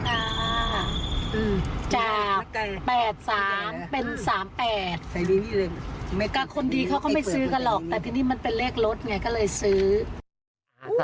ก็คนดีเขาก็ไม่ซื้อกันหรอกแต่ที่นี่มันเป็นเลขลดไงก็เลยซื้อ